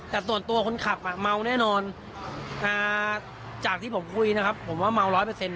แต่ส่วนตัวคนขับเมาแน่นอนจากที่ผมคุยนะครับผมว่าเมา๑๐๐